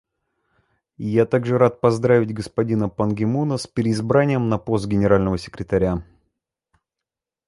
Я также рад поздравить господина Пан Ги Муна с переизбранием на пост Генерального секретаря.